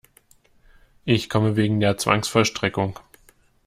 Ich komme wegen der Zwangsvollstreckung.